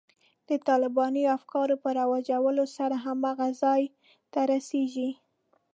د طالباني افکارو په رواجولو سره هماغه ځای ته رسېږي.